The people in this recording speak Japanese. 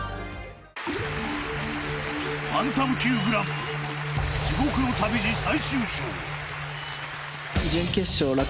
バンタム級グランプリ地獄の旅路、最終章。